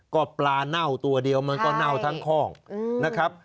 ก็ปลาเน่าตัวเดียวมันก็เน่าทั้งข้องนะครับ